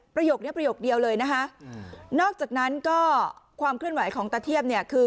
ประโยคนี้ประโยคเดียวเลยนะคะนอกจากนั้นก็ความเคลื่อนไหวของตาเทียบเนี่ยคือ